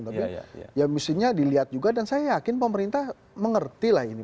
tapi ya mestinya dilihat juga dan saya yakin pemerintah mengerti lah ini